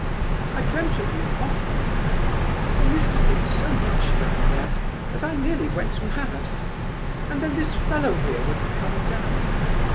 I dreamt of you often. I used to think so much down there that I nearly went mad; and then this fellow here would come down.